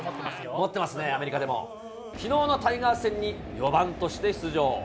持ってますね、アメリカでも。きのうのタイガース戦に４番として出場。